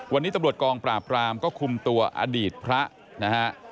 วันนี้ตำรวจกองปราบรามก็คุมตัวอดีตพระนะฮะ